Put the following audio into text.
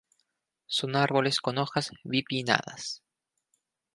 Son árboles con hojas bipinnadas.